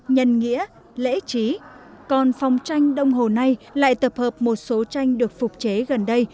nhân nghĩa lễ trí còn phòng tranh đông hồ nay lại tập hợp một số tranh được phục chế gần đây